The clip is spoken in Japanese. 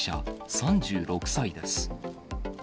３６歳です。